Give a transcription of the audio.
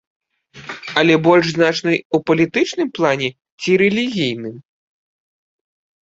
Але больш значнай у палітычным плане ці рэлігійным?